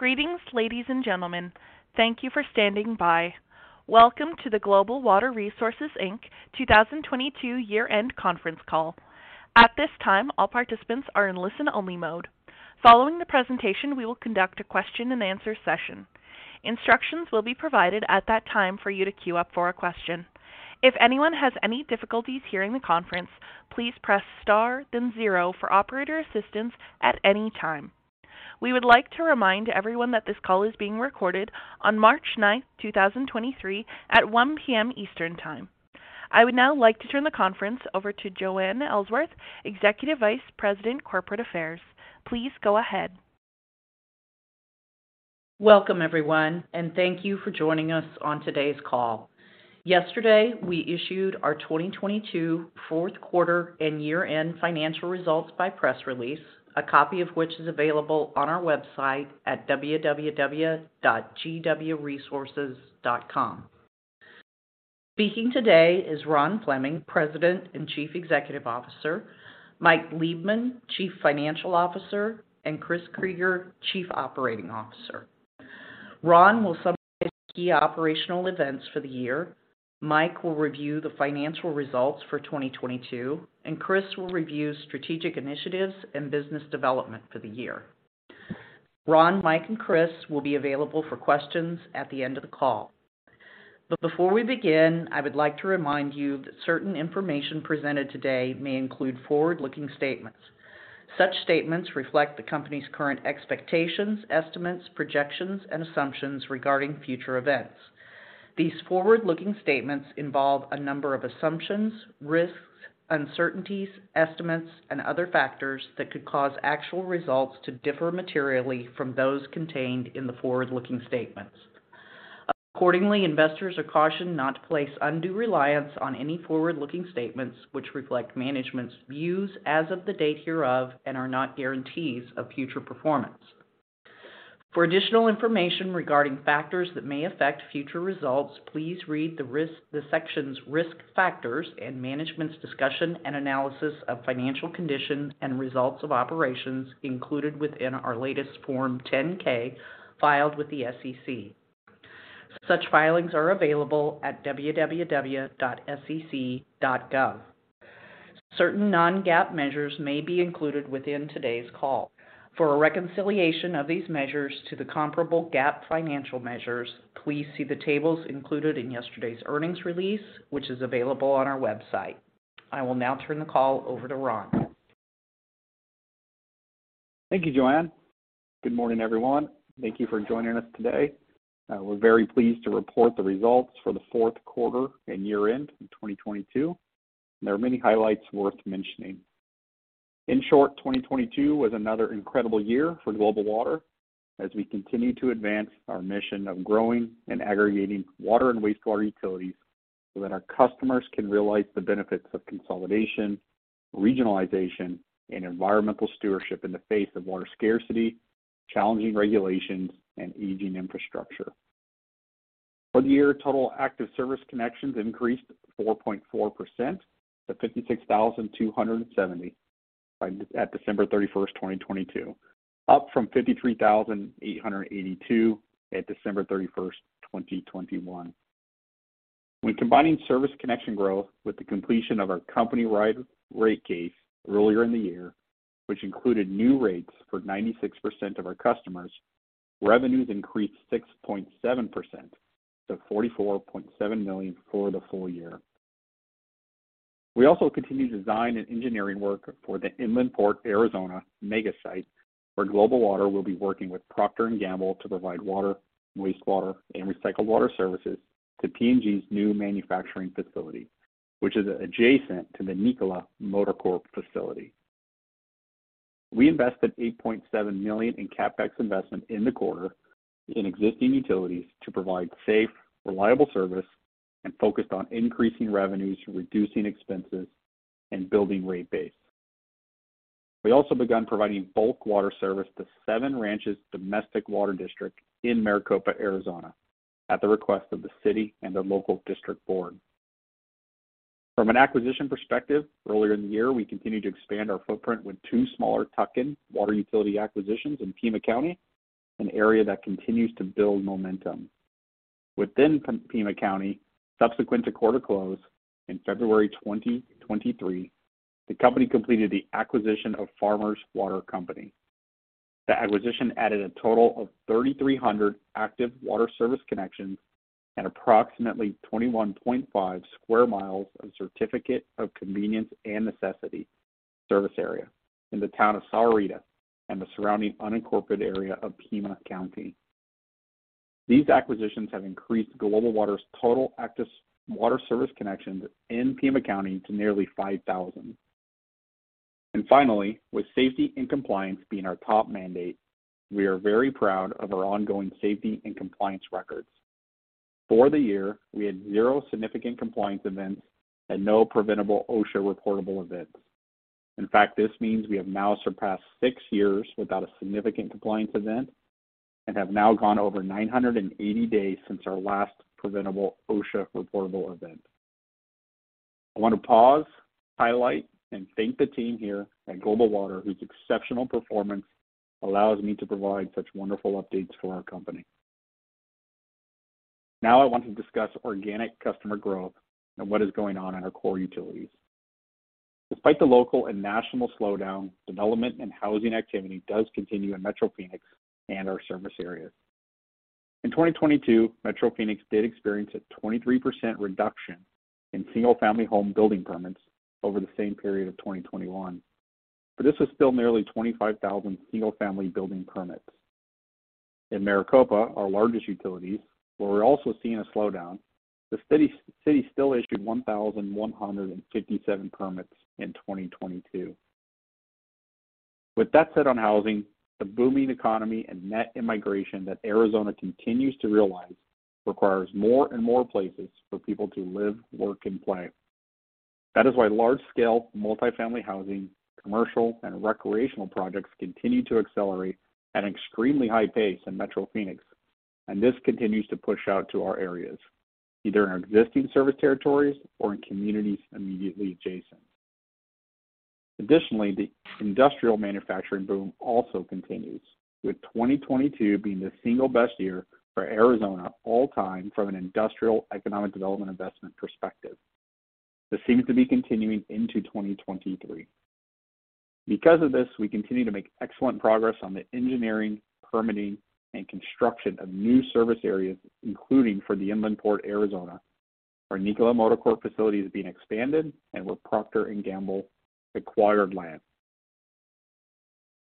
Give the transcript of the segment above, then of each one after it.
Greetings, ladies and gentlemen. Thank you for standing by. Welcome to the Global Water Resources, Inc. 2022 year-end conference call. At this time, all participants are in listen-only mode. Following the presentation, we will conduct a question and answer session. Instructions will be provided at that time for you to queue up for a question. If anyone has any difficulties hearing the conference, please press star then zero for operator assistance at any time. We would like to remind everyone that this call is being recorded on March 9th, 2023 at 1:00 P.M. Eastern time. I would now like to turn the conference over to Joanne Ellsworth, Executive Vice President, Corporate Affairs. Please go ahead. Welcome, everyone. Thank you for joining us on today's call. Yesterday, we issued our 2022 fourth quarter and year-end financial results by press release, a copy of which is available on our website at www.gwresources.com. Speaking today is Ron Fleming, President and Chief Executive Officer, Mike Liebman, Chief Financial Officer, and Chris Krygier, Chief Operating Officer. Ron will summarize key operational events for the year, Mike will review the financial results for 2022, and Chris will review strategic initiatives and business development for the year. Ron, Mike, and Chris will be available for questions at the end of the call. Before we begin, I would like to remind you that certain information presented today may include forward-looking statements. Such statements reflect the company's current expectations, estimates, projections, and assumptions regarding future events. These forward-looking statements involve a number of assumptions, risks, uncertainties, estimates, and other factors that could cause actual results to differ materially from those contained in the forward-looking statements. Investors are cautioned not to place undue reliance on any forward-looking statements which reflect management's views as of the date hereof and are not guarantees of future performance. For additional information regarding factors that may affect future results, please read the sections Risk Factors and Management's Discussion and Analysis of Financial Condition and Results of Operations included within our latest Form 10-K filed with the SEC. Such filings are available at www.sec.gov. Certain non-GAAP measures may be included within today's call. For a reconciliation of these measures to the comparable GAAP financial measures, please see the tables included in yesterday's earnings release, which is available on our website. I will now turn the call over to Ron. Thank you, Joanne. Good morning, everyone. Thank you for joining us today. We're very pleased to report the results for the fourth quarter and year end in 2022. There are many highlights worth mentioning. In short, 2022 was another incredible year for Global Water as we continue to advance our mission of growing and aggregating water and wastewater utilities so that our customers can realize the benefits of consolidation, regionalization, and environmental stewardship in the face of water scarcity, challenging regulations, and aging infrastructure. For the year, total active service connections increased 4.4% to 56,270 at December 31st, 2022, up from 53,882 at December 31st, 2021. When combining service connection growth with the completion of our company-wide rate case earlier in the year, which included new rates for 96% of our customers, revenues increased 6.7% to $44.7 million for the full year. We also continued design and engineering work for the Inland Port Arizona mega site, where Global Water will be working with Procter & Gamble to provide water, wastewater, and recycled water services to P&G's new manufacturing facility, which is adjacent to the Nikola Motor Corp facility. We invested $8.7 million in CapEx investment in the quarter in existing utilities to provide safe, reliable service and focused on increasing revenues, reducing expenses, and building rate base. We also begun providing bulk water service to Seven Ranches Domestic Water District in Maricopa, Arizona, at the request of the city and the local district board. From an acquisition perspective, earlier in the year, we continued to expand our footprint with two smaller tuck-in water utility acquisitions in Pima County, an area that continues to build momentum. Within Pima County, subsequent to quarter close in February 2023, the company completed the acquisition of Farmers Water Company. The acquisition added a total of 3,300 active water service connections and approximately 21.5 sq mi of Certificate of Convenience and Necessity service area in the town of Sahuarita and the surrounding unincorporated area of Pima County. These acquisitions have increased Global Water's total active water service connections in Pima County to nearly 5,000. Finally, with safety and compliance being our top mandate, we are very proud of our ongoing safety and compliance records. For the year, we had zero significant compliance events and no preventable OSHA reportable events. In fact, this means we have now surpassed six years without a significant compliance event and have now gone over 980 days since our last preventable OSHA reportable event. I want to pause, highlight, and thank the team here at Global Water, whose exceptional performance allows me to provide such wonderful updates for our company. I want to discuss organic customer growth and what is going on in our core utilities. Despite the local and national slowdown, development and housing activity does continue in Metro Phoenix and our service area. In 2022, Metro Phoenix did experience a 23% reduction in single-family home building permits over the same period of 2021. This was still nearly 25,000 single-family building permits. In Maricopa, our largest utility, where we're also seeing a slowdown, the city still issued 1,157 permits in 2022. With that said on housing, the booming economy and net immigration that Arizona continues to realize requires more and more places for people to live, work, and play. That is why large-scale multi-family housing, commercial, and recreational projects continue to accelerate at an extremely high pace in Metro Phoenix, and this continues to push out to our areas, either in our existing service territories or in communities immediately adjacent. The industrial manufacturing boom also continues, with 2022 being the single best year for Arizona all time from an industrial economic development investment perspective. This seems to be continuing into 2023. We continue to make excellent progress on the engineering, permitting, and construction of new service areas, including for the Inland Port Arizona, where Nikola Motor Corp facility is being expanded, and where Procter & Gamble acquired land.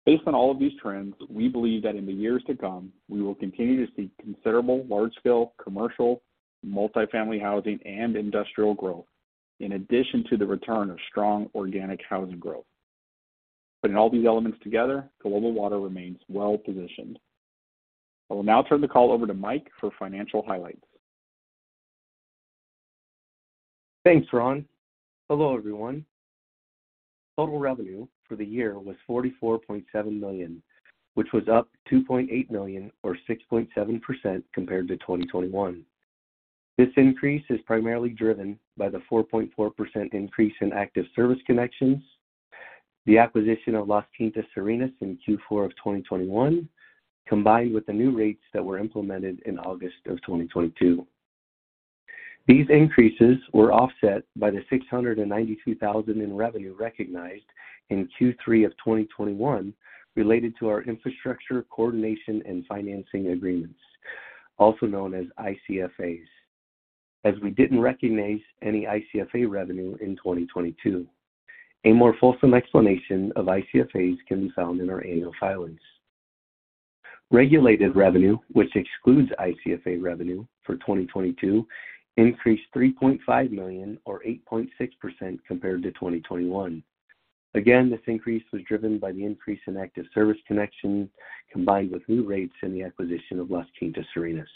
Based on all of these trends, we believe that in the years to come, we will continue to see considerable large-scale commercial, multi-family housing, and industrial growth, in addition to the return of strong organic housing growth. Putting all these elements together, Global Water remains well-positioned. I will now turn the call over to Mike for financial highlights. Thanks, Ron. Hello, everyone. Total revenue for the year was $44.7 million, which was up $2.8 million or 6.7% compared to 2021. This increase is primarily driven by the 4.4% increase in active service connections, the acquisition of Las Quintas Serenas in Q4 of 2021, combined with the new rates that were implemented in August of 2022. These increases were offset by the $692,000 in revenue recognized in Q3 of 2021 related to our infrastructure, coordination, and financing agreements, also known as ICFAs, as we didn't recognize any ICFA revenue in 2022. A more fulsome explanation of ICFAs can be found in our annual filings. Regulated revenue, which excludes ICFA revenue for 2022, increased $3.5 million or 8.6% compared to 2021. Again, this increase was driven by the increase in active service connections combined with new rates in the acquisition of Las Quintas Serenas.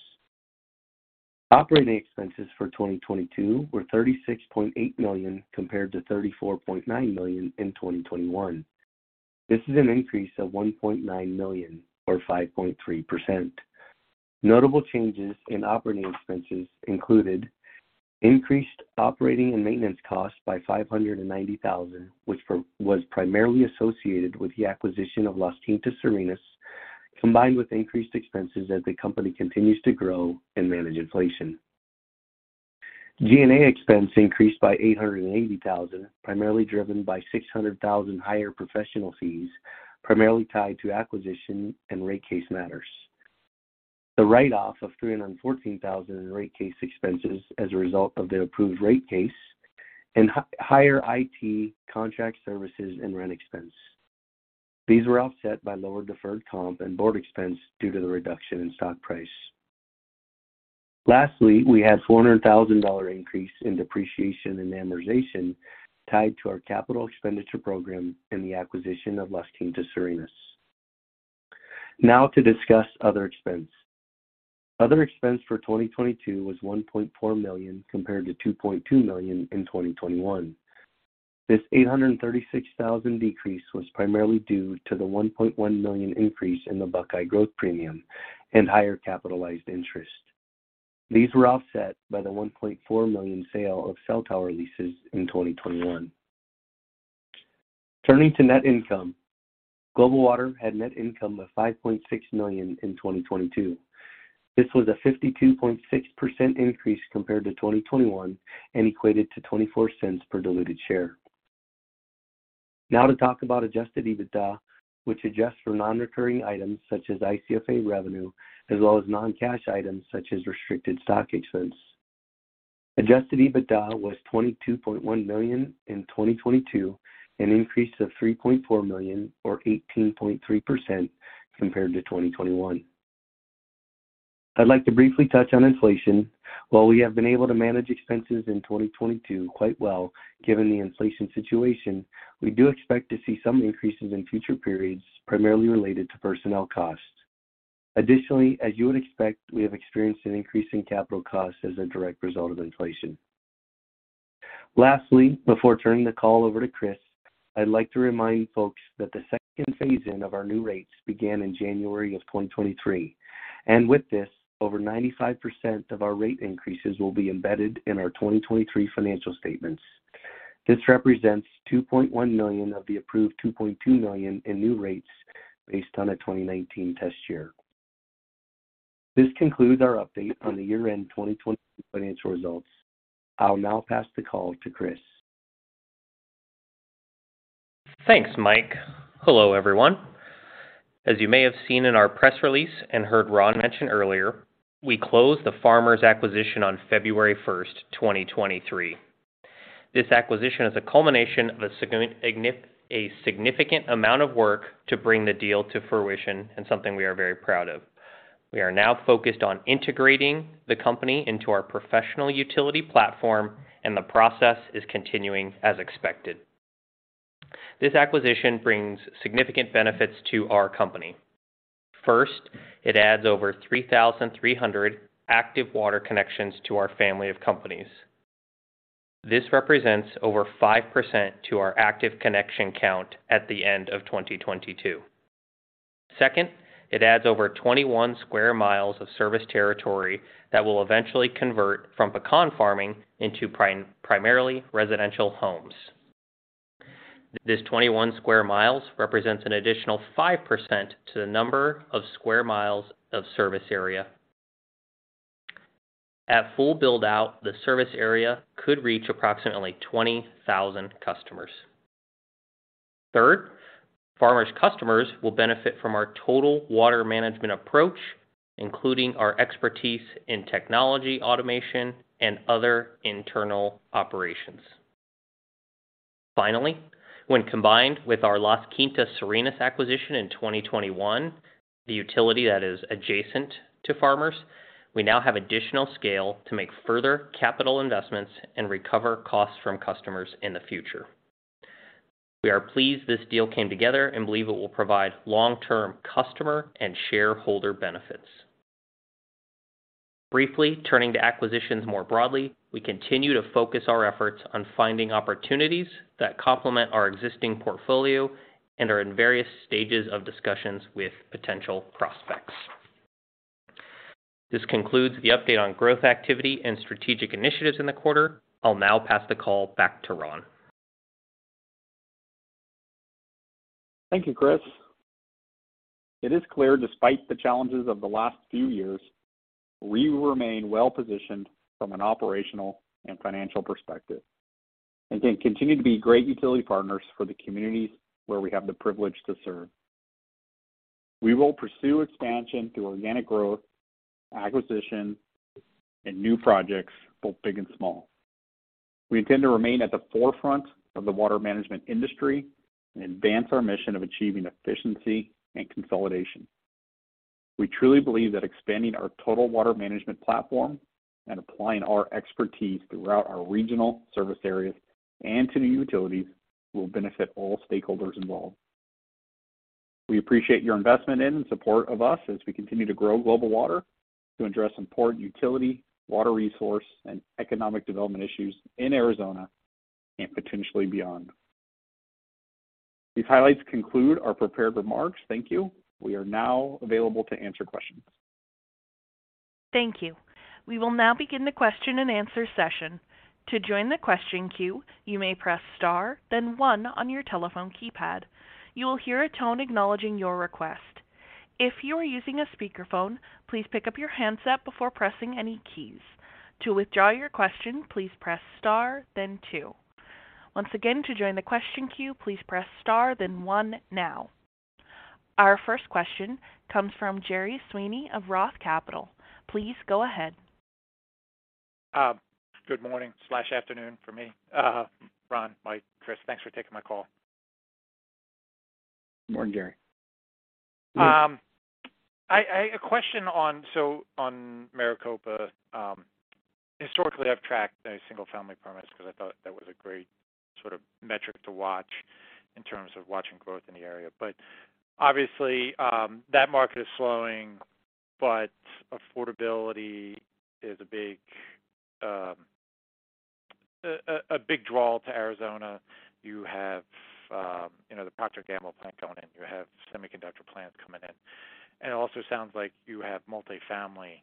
Operating expenses for 2022 were $36.8 million compared to $34.9 million in 2021. This is an increase of $1.9 million or 5.3%. Notable changes in operating expenses included increased operating and maintenance costs by $590,000, which was primarily associated with the acquisition of Las Quintas Serenas, combined with increased expenses as the company continues to grow and manage inflation. G&A expense increased by $880,000, primarily driven by $600,000 higher professional fees, primarily tied to acquisition and rate case matters. The write-off of $314,000 in rate case expenses as a result of the approved rate case and higher IT contract services and rent expense. These were offset by lower deferred comp and board expense due to the reduction in stock price. Lastly, we had a $400,000 increase in depreciation and amortization tied to our CapEx program and the acquisition of Las Quintas Serenas. To discuss other expense. Other expense for 2022 was $1.4 million, compared to $2.2 million in 2021. This $836,000 decrease was primarily due to the $1.1 million increase in the Buckeye growth premium and higher capitalized interest. These were offset by the $1.4 million sale of cell tower leases in 2021. Turning to net income. Global Water had net income of $5.6 million in 2022. This was a 52.6% increase compared to 2021 and equated to $0.24 per diluted share. To talk about adjusted EBITDA, which adjusts for non-recurring items such as ICFA revenue, as well as non-cash items such as restricted stock expense. Adjusted EBITDA was $22.1 million in 2022, an increase of $3.4 million or 18.3% compared to 2021. I'd like to briefly touch on inflation. While we have been able to manage expenses in 2022 quite well given the inflation situation, we do expect to see some increases in future periods, primarily related to personnel costs. Additionally, as you would expect, we have experienced an increase in capital costs as a direct result of inflation. Lastly, before turning the call over to Chris, I'd like to remind folks that the second phase-in of our new rates began in January of 2023. With this, over 95% of our rate increases will be embedded in our 2023 financial statements. This represents $2.1 million of the approved $2.2 million in new rates based on a 2019 test year. This concludes our update on the year-end 2023 financial results. I'll now pass the call to Chris. Thanks, Mike. Hello, everyone. As you may have seen in our press release and heard Ron mention earlier, we closed the Farmers acquisition on February 1, 2023. This acquisition is a culmination of a significant amount of work to bring the deal to fruition and something we are very proud of. We are now focused on integrating the company into our professional utility platform, and the process is continuing as expected. This acquisition brings significant benefits to our company. First, it adds over 3,300 active water connections to our family of companies. This represents over 5% to our active connection count at the end of 2022. Second, it adds over 21 sq mi of service territory that will eventually convert from pecan farming into primarily residential homes. This 21 sq mi represents an additional 5% to the number of sq mi of service area. At full build-out, the service area could reach approximately 20,000 customers. Third, Farmers customers will benefit from our Total Water Management approach, including our expertise in technology, automation and other internal operations. Finally, when combined with our Las Quintas Serenas acquisition in 2021, the utility that is adjacent to Farmers, we now have additional scale to make further capital investments and recover costs from customers in the future. We are pleased this deal came together and believe it will provide long-term customer and shareholder benefits. Briefly turning to acquisitions more broadly, we continue to focus our efforts on finding opportunities that complement our existing portfolio and are in various stages of discussions with potential prospects. This concludes the update on growth activity and strategic initiatives in the quarter. I'll now pass the call back to Ron. Thank you, Chris. It is clear, despite the challenges of the last few years, we remain well positioned from an operational and financial perspective, and can continue to be great utility partners for the communities where we have the privilege to serve. We will pursue expansion through organic growth, acquisition, and new projects, both big and small. We intend to remain at the forefront of the water management industry and advance our mission of achieving efficiency and consolidation. We truly believe that expanding our Total Water Management platform and applying our expertise throughout our regional service areas and to new utilities will benefit all stakeholders involved. We appreciate your investment in and support of us as we continue to grow Global Water to address important utility, water resource, and economic development issues in Arizona and potentially beyond. These highlights conclude our prepared remarks. Thank you. We are now available to answer questions. Thank you. We will now begin the question and answer session. To join the question queue, you may press star, then one on your telephone keypad. You will hear a tone acknowledging your request. If you are using a speakerphone, please pick up your handset before pressing any keys. To withdraw your question, please press star, then two. Once again, to join the question queue, please press star, then one now. Our first question comes from Gerry Sweeney of Roth Capital. Please go ahead. Good morning/afternoon for me. Ron, Mike, Chris, thanks for taking my call. Morning, Gerry. A question on, so on Maricopa. Historically, I've tracked a single-family permits because I thought that was a great sort of metric to watch in terms of watching growth in the area. Obviously, that market is slowing, but affordability is a big draw to Arizona. You have, you know, the Procter & Gamble plant going in, you have semiconductor plants coming in. It also sounds like you have multi-family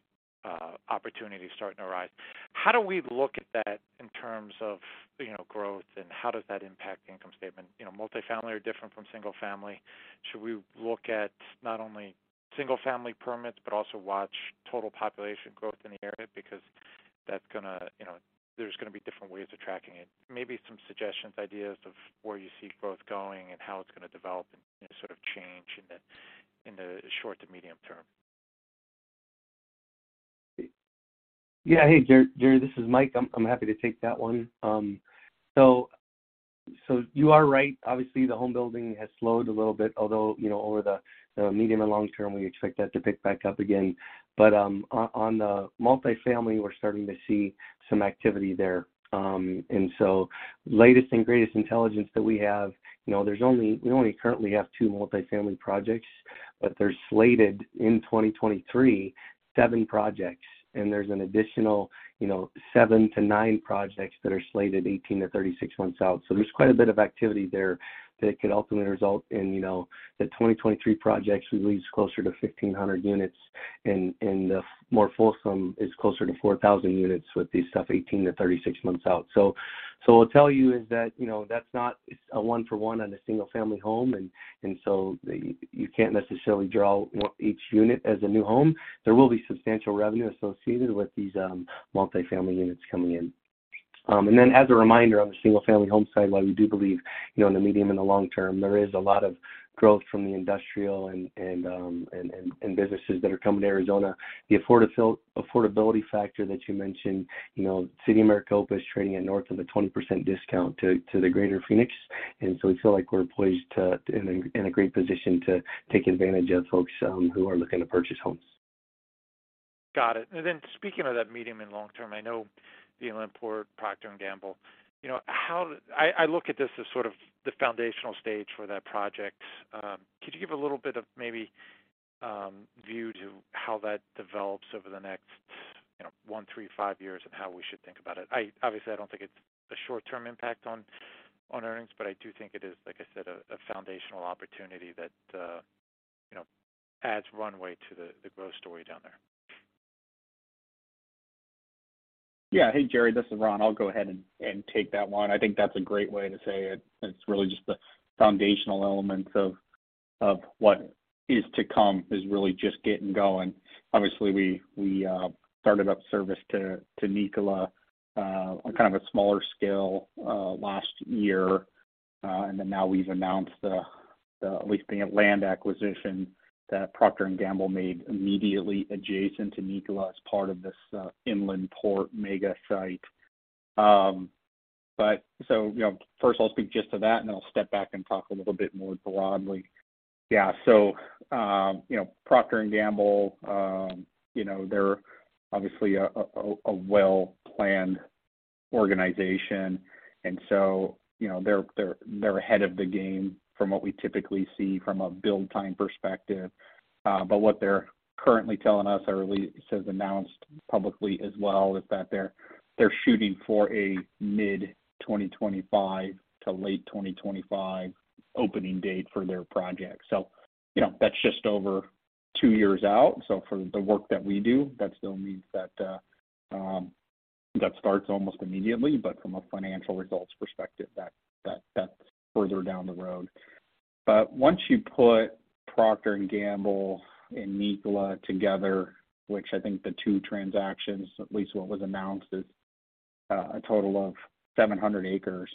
opportunities starting to rise. How do we look at that in terms of, you know, growth, and how does that impact the income statement? You know, multi-family are different from single-family. Should we look at not only single-family permits, but also watch total population growth in the area? That's gonna. You know, there's gonna be different ways of tracking it. Maybe some suggestions, ideas of where you see growth going and how it's gonna develop and sort of change in the, in the short to medium term. Yeah. Hey, Gerry, this is Mike. I'm happy to take that one. You are right. Obviously, the home building has slowed a little bit, although, you know, over the medium and long term, we expect that to pick back up again. On the multi-family, we're starting to see some activity there. Latest and greatest intelligence that we have, you know, we only currently have two multi-family projects They're slated in 2023, seven projects, and there's an additional, you know, seven to nine projects that are slated 18-36 months out. There's quite a bit of activity there that could ultimately result in, you know, the 2023 projects release closer to 1,500 units and the more fulsome is closer to 4,000 units with the stuff 18-36 months out. What I'll tell you is that, you know, that's not a one for one on a single-family home, and you can't necessarily draw, you know, each unit as a new home. There will be substantial revenue associated with these multi-family units coming in. As a reminder on the single-family home side, while we do believe, you know, in the medium and the long term, there is a lot of growth from the industrial and businesses that are coming to Arizona. The affordability factor that you mentioned, you know, City of Maricopa is trading at north of a 20% discount to the greater Phoenix. We feel like we're poised in a great position to take advantage of folks who are looking to purchase homes. Got it. Speaking of that medium and long term, I know the Inland Port, Procter & Gamble, you know, I look at this as sort of the foundational stage for that project. Could you give a little bit of maybe view to how that develops over the next, you know, one, three, five years and how we should think about it? Obviously, I don't think it's a short-term impact on earnings, I do think it is, like I said, a foundational opportunity that, you know, adds runway to the growth story down there. Yeah. Hey, Jerry, this is Ron. I'll go ahead and take that one. I think that's a great way to say it. It's really just the foundational elements of what is to come is really just getting going. Obviously, we started up service to Nikola on kind of a smaller scale last year. Now we've announced the leasing of land acquisition that Procter & Gamble made immediately adjacent to Nikola as part of this Inland Port mega site. You know, first I'll speak just to that, and then I'll step back and talk a little bit more broadly. Yeah. You know, Procter & Gamble, you know, they're obviously a well-planned organization. You know, they're ahead of the game from what we typically see from a build time perspective. But what they're currently telling us, or at least as announced publicly as well, is that they're shooting for a mid-2025 to late 2025 opening date for their project. You know, that's just over two years out. For the work that we do, that still means that starts almost immediately. From a financial results perspective, that's further down the road. Once you put Procter & Gamble and Nikola together, which I think the two transactions, at least what was announced, is a total of 700 acres.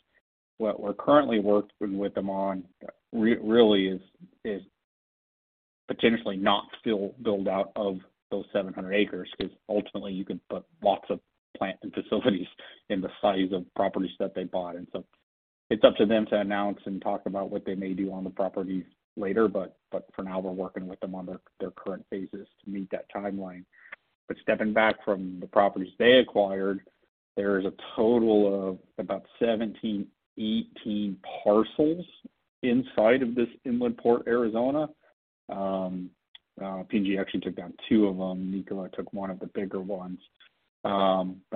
What we're currently working with them on really is potentially not still build out of those 700 acres, 'cause ultimately you could put lots of plant and facilities in the size of properties that they bought. It's up to them to announce and talk about what they may do on the properties later, but for now, we're working with them on their current phases to meet that timeline. Stepping back from the properties they acquired, there is a total of about 17, 18 parcels inside of this Inland Port Arizona. P&G actually took down two of them. Nikola took one of the bigger ones.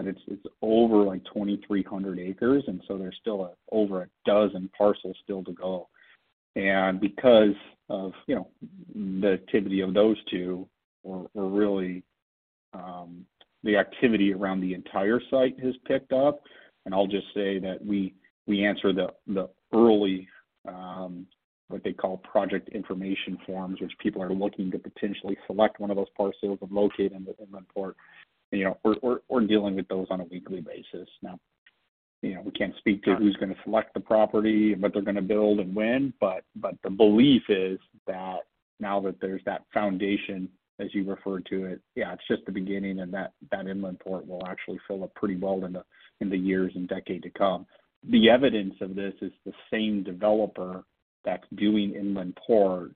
It's over like 2,300 acres, and so there's still over a dozen parcels still to go. Because of, you know, the activity of those two, we're really, the activity around the entire site has picked up. I'll just say that we answer the early, what they call project information forms, which people are looking to potentially select one of those parcels and locate them with Inland Port. You know, we're dealing with those on a weekly basis now. You know, we can't speak to who's gonna select the property and what they're gonna build and when, but the belief is that now that there's that foundation, as you referred to it, yeah, it's just the beginning, and that Inland Port will actually fill up pretty well in the years and decade to come. The evidence of this is the same developer that's doing Inland Port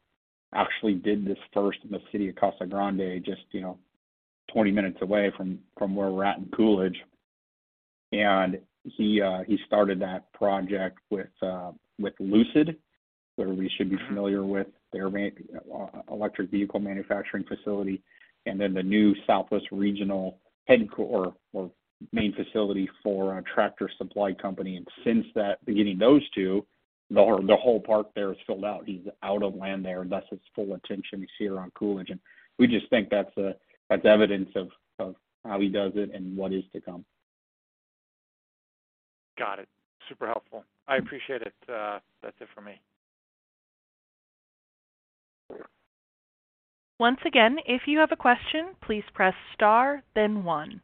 actually did this first in the city of Casa Grande, just, you know, 20 minutes away from where we're at in Coolidge. He started that project with Lucid, where we should be familiar with their electric vehicle manufacturing facility, and then the new Southwest Regional head or main facility for a Tractor Supply Company. Since beginning those two, the whole park there is filled out. He's out of land there, and thus his full attention is here on Coolidge. We just think that's evidence of how he does it and what is to come. Got it. Super helpful. I appreciate it. That's it for me. Once again, if you have a question, please press Star, then one.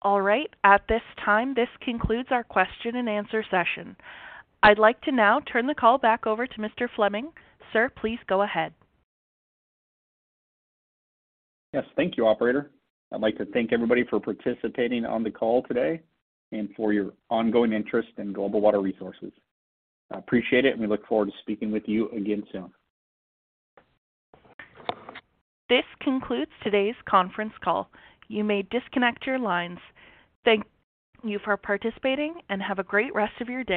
All right. At this time, this concludes our question-and-answer session. I'd like to now turn the call back over to Mr. Fleming. Sir, please go ahead. Yes, thank you, operator. I'd like to thank everybody for participating on the call today and for your ongoing interest in Global Water Resources. I appreciate it, and we look forward to speaking with you again soon. This concludes today's conference call. You may disconnect your lines. Thank you for participating, and have a great rest of your day.